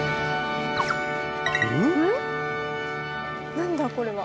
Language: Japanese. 何だこれは。